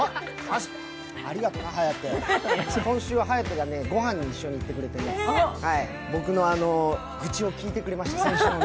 ありがとな、颯、今週は颯がごはんに一緒に行ってくれて、僕の愚痴を聞いてくれました、先週の。